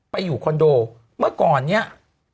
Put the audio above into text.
อยู่คอนโดเมื่อก่อนเนี่ย